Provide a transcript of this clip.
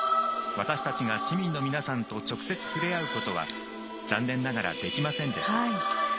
私たちが市民の皆さんと直接、触れ合うことは残念ながら、できませんでした。